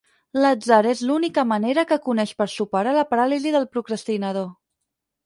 L'atzar és l'única manera que coneix per superar la paràlisi del procrastinador.